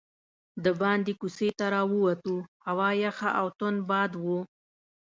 دباندې کوڅې ته راووتو، هوا یخه او توند باد و.